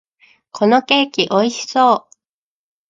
このケーキ、美味しそう！